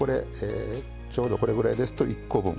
ちょうどこれぐらいですと１コ分。